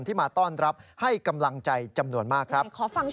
มาต้อนรับให้กำลังใจจำนวนมากครับ